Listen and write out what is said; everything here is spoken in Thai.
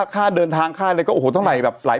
ค่าเดินทางค่าเลยก็โอ้โหต้องไหลแบบหลายพันแล้ว